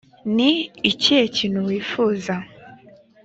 ni ikihe kintu wifuza